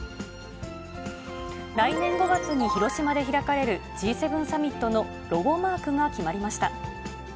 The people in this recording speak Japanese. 来年５月に広島で開かれる、Ｇ７サミットのロゴマークが決まりました。